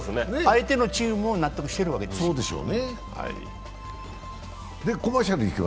相手のチームも納得しているわけです。